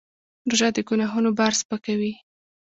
روژه د ګناهونو بار سپکوي.